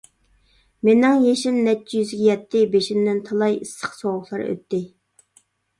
مىنىڭ يېشىم نەچچە يۈزگە يەتتى، بېشىمدىن تالاي ئىسسىق-سوغۇقلار ئۆتتى.